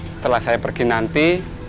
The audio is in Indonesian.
setelah saya pergi nanti